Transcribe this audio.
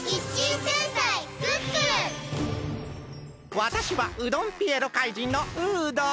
わたしはうどんピエロ怪人のウードン！